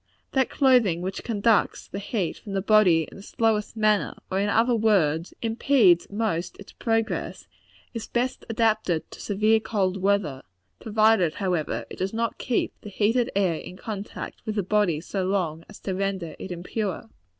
That clothing which conducts the heat from the body in the slowest manner, or, in other words, impedes most its progress, is best adapted to severe cold weather; provided, however, it does not keep the heated air in contact with the body so long as to render it impure.